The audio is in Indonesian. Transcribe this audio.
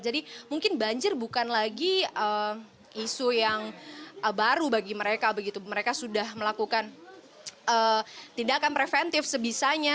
jadi mungkin banjir bukan lagi isu yang baru bagi mereka begitu mereka sudah melakukan tindakan preventif sebisanya